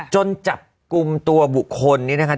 จนจับกลุ่มตัวบุคคลนี้นะคะ